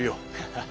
ハハハ。